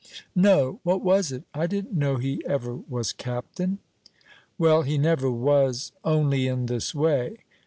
"No; what was it? I didn't know he ever was captain." "Well, he never was, only in this way.